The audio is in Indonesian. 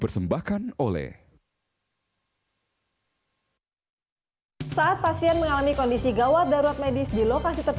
saat pasien mengalami kondisi gawat darurat medis di lokasi tertentu